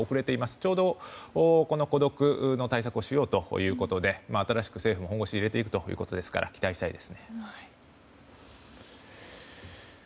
ちょうど、孤独の対策をしようということで新しく政府も本腰を入れていくということですからここからは気象情報です。